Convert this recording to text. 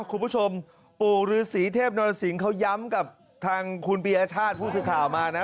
คุณผู้ชมปู่รือศรีเทพนรสิงค์เขาย้ำกับทางคุณประชาติพูดถึงข่าวมานะ